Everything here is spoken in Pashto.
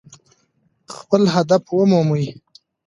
خپل هدف ومومئ.